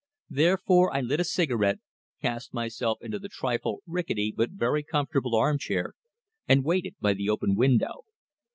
Therefore I lit a cigarette, cast myself into the trifle rickety but very comfortable armchair, and waited by the open window.